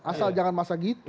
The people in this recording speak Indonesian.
asal jangan masa gitu